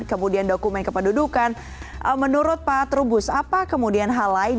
kemudian dokumen kependudukan menurut pak trubus apa kemudian hal lain